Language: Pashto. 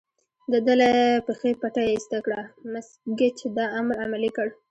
د ده له پښې پټۍ ایسته کړه، مس ګېج دا امر عملي کړ.